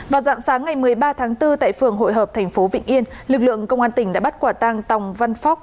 vào dạng sáng ngày một mươi ba tháng bốn tại phường hội hợp tp vịnh yên lực lượng công an tỉnh đã bắt quả tang tòng văn phóc